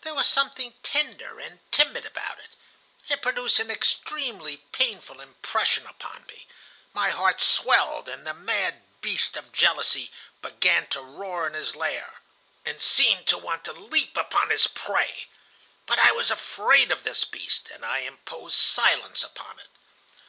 There was something tender and timid about it. It produced an extremely painful impression upon me. My heart swelled, and the mad beast of jealousy began to roar in his lair, and seemed to want to leap upon his prey. But I was afraid of this beast, and I imposed silence upon it.